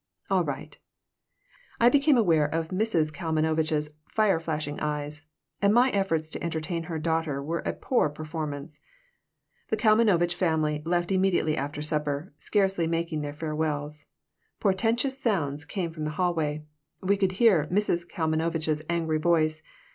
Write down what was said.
"All right." I became aware of Mrs. Kalmanovitch's fire flashing eyes, and my efforts to entertain her daughter were a poor performance The Kalmanovitch family left immediately after supper, scarcely making their farewells. Portentous sounds came from the hallway. We could hear Mrs. Kalmanovitch's angry voice.